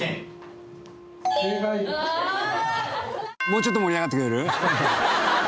もうちょっと盛り上がってくれる？